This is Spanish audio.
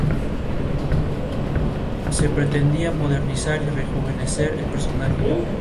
Se pretendía modernizar y rejuvenecer el personaje.